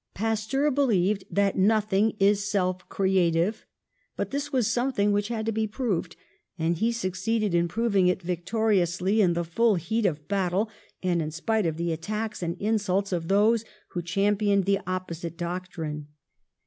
Pasteur believed that nothing is self creative, but this was something which had to be proved, and he succeeded in proving it victoriously, in the full heat of bat tle, and in spite of the attacks and insults of those who championed the opposite doctrine.